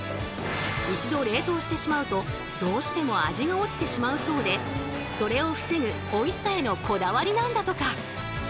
一度冷凍してしまうとどうしても味が落ちてしまうそうでそれを防ぐおいしさへのこだわりなんだとか。